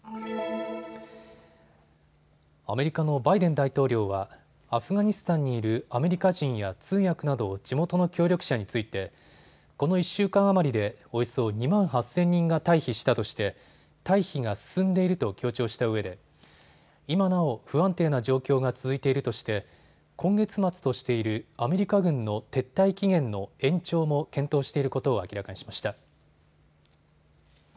アメリカのバイデン大統領はアフガニスタンにいるアメリカ人や通訳など地元の協力者についてこの１週間余りでおよそ２万８０００人が退避したとして退避が進んでいると強調したうえで今なお不安定な状況が続いているとして今月末としているアメリカ軍の撤退期限の延長も検討していることを明らかにしました。